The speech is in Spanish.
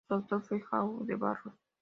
Su autor fue João de Barros.